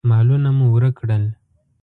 مالونه مو ورک کړل.